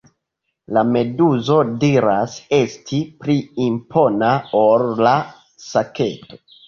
La meduzo diras esti pli impona ol la saketo.